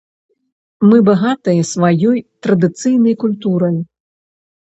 Мы багатыя сваёй традыцыйнай культурай.